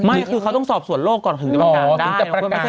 ไม่คือเขาต้องสอบสวนโลกก่อนถึงจะประกาศได้อ๋อถึงจะประกาศ